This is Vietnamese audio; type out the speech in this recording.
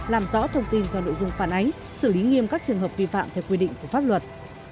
làm rõ thông tin theo nội dung phản ánh xử lý nghiêm các trường hợp vi phạm theo quy định của pháp luật